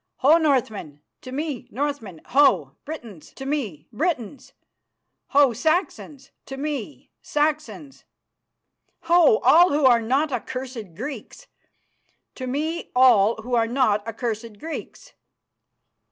Ho! Northmen. To me, Northmen! Ho! Britons, to me, Britons! Ho! Saxons, to me, Saxons! Ho! all who are not accursed Greeks. To me all who are not accursed Greeks!"